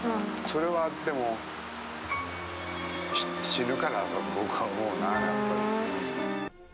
それはでも死ぬからだと僕は思うなやっぱり。